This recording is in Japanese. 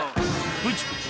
プチプチ